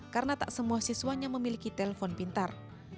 karena tak semua siswanya memiliki telepon pintar